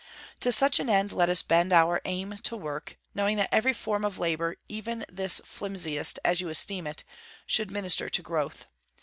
To such an end let us bend our aim to work, knowing that every form of labour, even this flimsiest, as you esteem it, should minister to growth.